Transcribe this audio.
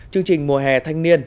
chương trình mùa hè thanh niên